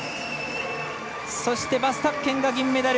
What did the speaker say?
そして、バス・タッケンが銀メダル。